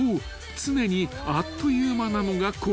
常にあっという間なのがこの旅］